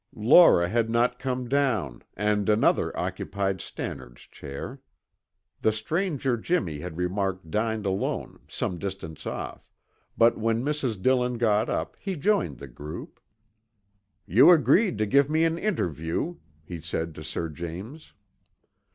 Laura had not come down and another occupied Stannard's chair. The stranger Jimmy had remarked dined alone some distance off, but when Mrs. Dillon got up he joined the group. "You agreed to give me an interview," he said to Sir James.